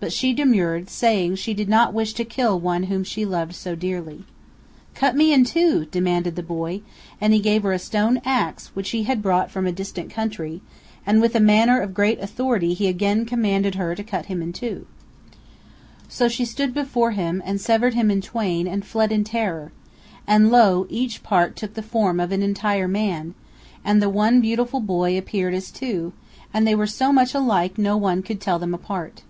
But she demurred, saying she did not wish to kill one whom she loved so dearly. "Cut me in two!" demanded the boy; and he gave her a stone ax, which he had brought from a distant country, and with a manner of great authority he again commanded her to cut him in two. So she powell canyons 190.jpg A SWEAT HOUSE. stood before him and severed him in twain and fled in terror. And lo! each part took the form of an entire man, and the one beautiful boy appeared as two, and they were so much alike no one could tell them apart.